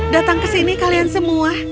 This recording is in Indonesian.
datang ke sini kalian semua